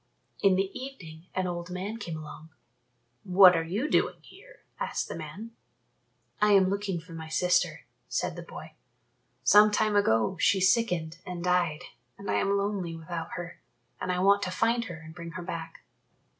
In the evening an old man came along. "What are you doing here?" asked the man. "I am looking for my sister," said the boy; "some time ago she sickened and died and I am lonely without her, and I want to find her and bring her back."